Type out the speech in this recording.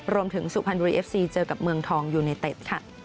รวมถึงสุภัณฑ์บุรีเอฟซีเจอกับเมืองทองยูนเอกเต็ด